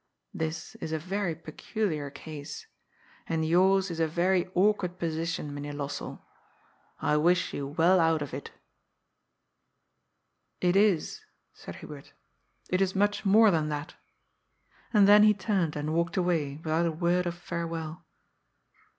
This is a very peculiar case. And yours is a very awkward position, Mynheer Lossell. I wish you well out of it." " It is," said Hubert. " It is much more than that." And then he turned and walked away without a word of farewell.